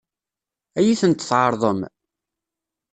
Ad iyi-tent-tɛeṛḍem?